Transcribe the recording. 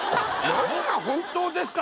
何が「本当ですか？」